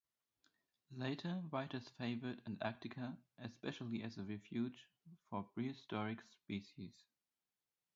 Later writers favored Antarctica, especially as a refuge for prehistoric species.